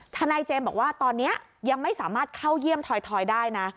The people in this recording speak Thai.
ทนายเจมส์บอกว่าตอนนี้ยังไม่สามารถเข้าเยี่ยมถอยได้นะ